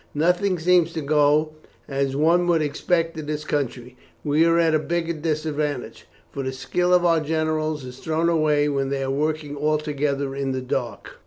Nothing seems to go as one would expect in this country. We are at a big disadvantage; for the skill of our generals is thrown away when they are working altogether in the dark.